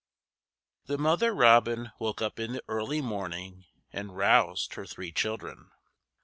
THE mother robin woke up in the early morning and roused her three children.